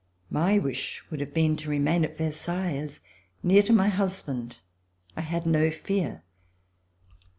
My wish would have been to remain at Versailles, as, near to my husband, I had no fear.